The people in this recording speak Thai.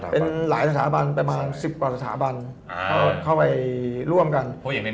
เป็นหลายสถาบันประมาณ๑๐กว่าสถาบันเข้าไปร่วมกัน